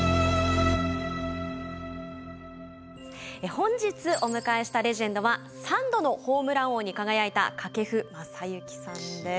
本日お迎えしたレジェンドは３度のホームラン王に輝いた掛布雅之さんです。